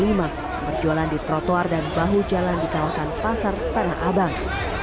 berjualan di trotoar dan bahu jalan di kawasan pasar tanah abang